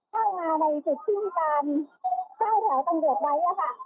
เฮ่ยมาในจุดขึ้นจนบ้านพิเศษอีกค่ะ